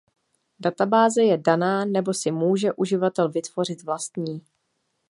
Databáze je daná nebo si může uživatel vytvořit vlastní.